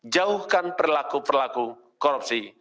jauhkan perlaku perlaku korupsi